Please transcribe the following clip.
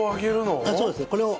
はいそうですね。これを。